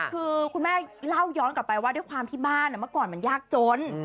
คือคุณแม่เล่าย้อนกลับไปว่าด้วยความที่บ้านเมื่อก่อนมันยากจน